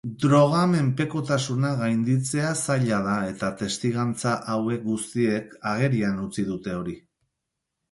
Droga-menpekotasuna gainditzea zaila da eta testigantza hauek guztiek agerian utzi dute hori.